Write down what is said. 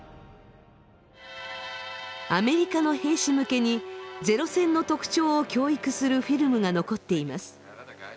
アメリカの兵士向けにゼロ戦の特徴を教育するフィルムが残っています。